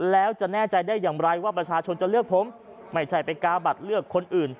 แล้วจะแน่ใจได้อย่างไรว่าประชาชนจะเลือกผมไม่ใช่ไปกาบัตรเลือกคนอื่น